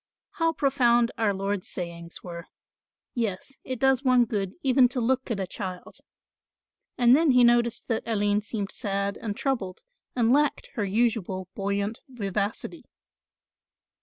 "How profound Our Lord's sayings were. Yes, it does one good even to look at a child," and then he noticed that Aline seemed sad and troubled and lacked her usual buoyant vivacity.